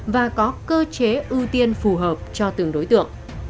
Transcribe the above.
và có cơ chế ưu tiên phù hợp cho từng đối tượng